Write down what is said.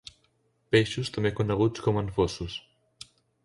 Peixos també coneguts com anfossos.